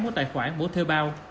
mỗi tài khoản mỗi thuê bao